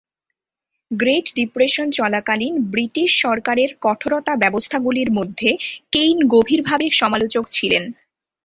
Great Depression চলাকালীন British সরকার এর কঠোরতা ব্যবস্থাগুলির মধ্যে কেইন গভীরভাবে সমালোচক ছিলেন।